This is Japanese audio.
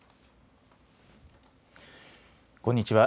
こんにちは。